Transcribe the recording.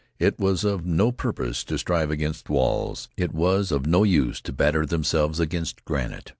It was of no purpose to strive against walls. It was of no use to batter themselves against granite.